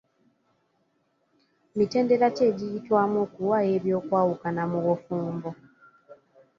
Mitendera ki egiyitwamu okuwaayo eby'okwawukana mu bufumbo?